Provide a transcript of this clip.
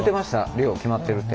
量決まってるって。